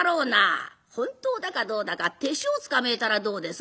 「本当だかどうだか手証捕めえたらどうです？